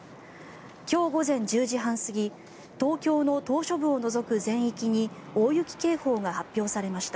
今日午前１０時半過ぎ東京の島しょ部を除く全域に大雪警報が発表されました。